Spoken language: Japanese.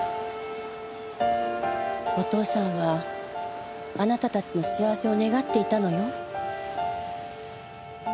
お父さんはあなたたちの幸せを願っていたのよ。